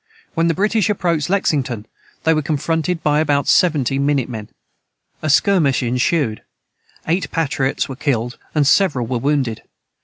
When the British approached Lexington, they were confronted by about seventy minute men. A skirmish ensued: eight patriots were killed, and several were wounded.